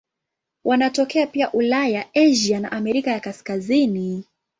Wanatokea pia Ulaya, Asia na Amerika ya Kaskazini.